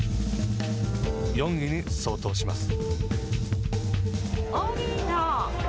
４位に相当します。